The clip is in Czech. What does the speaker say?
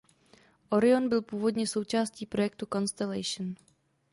Orion byl původně součástí projektu Constellation.